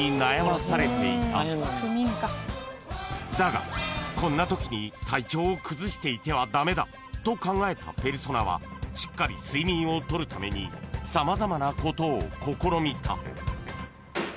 ［だがこんなときに体調を崩していては駄目だと考えたペルソナはしっかり睡眠を取るために様々なことを試みた］